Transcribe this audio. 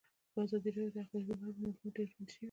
په ازادي راډیو کې د اقلیتونه اړوند معلومات ډېر وړاندې شوي.